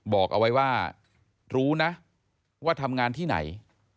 บอกเอาไว้ว่ารู้นะว่าทำงานที่ไหน